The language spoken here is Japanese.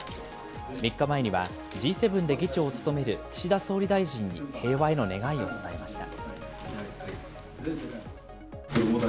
３日前には、Ｇ７で議長を務める岸田総理大臣に平和への願いを伝えました。